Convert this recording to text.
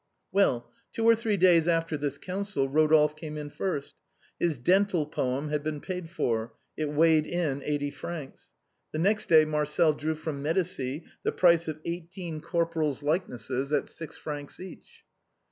Well, two or three days after this council Eodolphe came in first; his dental poem had been paid for; it weighed in eighty francs. The next day Marcel drew from Medicis the price of eighteen corporals' likenesses, at six francs each.